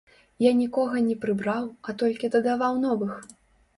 Я нікога не прыбраў, а толькі дадаваў новых.